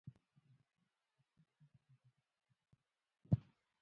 د پاک سپېڅلي خدای عبادت وکړئ.